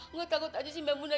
nggak takut aja si maimunah